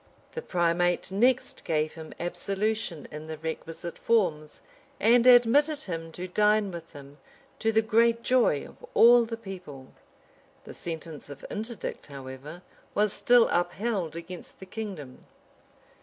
[] The primate next gave him absolution in the requisite forms, and admitted him to dine with him, to the great joy of all the people. The sentence of interdict, however, was still upheld against the kingdom.